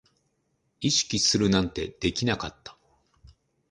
意識するなんてできなかった